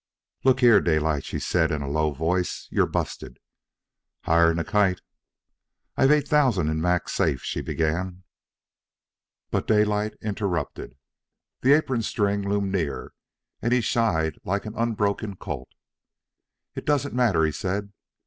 "Look here, Daylight," she said, in a low voice, "you're busted." "Higher'n a kite." "I've eight thousand in Mac's safe " she began. But Daylight interrupted. The apron string loomed near and he shied like an unbroken colt. "It don't matter," he said.